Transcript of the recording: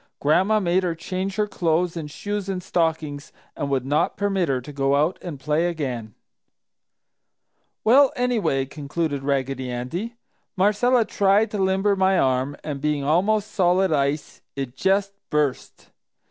Gran'ma made her change her clothes and shoes and stockings and would not permit her to go out and play again. "Well, anyway," concluded Raggedy Andy, "Marcella tried to limber my arm and, being almost solid ice, it just burst.